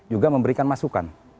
juga memberikan masukan